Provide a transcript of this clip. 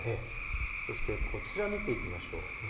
そしてこちらを見ていきましょう。